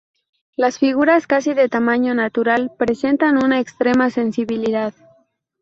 Las figuras, casi de tamaño natural, presentan una extrema sensibilidad.